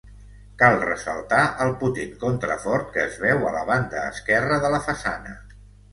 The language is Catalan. Cal ressaltar el potent contrafort que es veu a la banda esquerra de la façana.